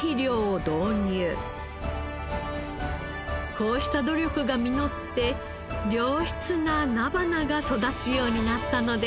こうした努力が実って良質な菜花が育つようになったのです。